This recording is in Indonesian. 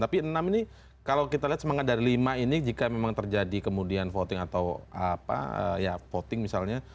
tapi enam ini kalau kita lihat semangat dari lima ini jika memang terjadi kemudian voting atau voting misalnya